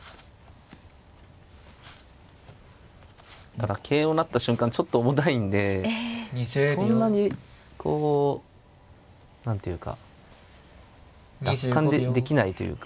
ただ桂を成った瞬間ちょっと重たいんでそんなにこう何ていうか楽観できないというか。